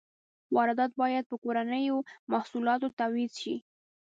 واردات باید په کورنیو محصولاتو تعویض شي.